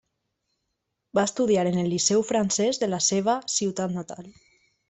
Va estudiar en el Liceu Francès de la seva ciutat natal.